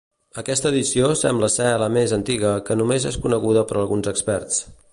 Aquesta edició sembla ser la més antiga, que només és coneguda per alguns experts.